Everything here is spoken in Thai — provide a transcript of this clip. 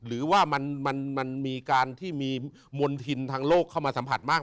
หรือว่ามันมีการที่มีมณฑินทางโลกเข้ามาสัมผัสมาก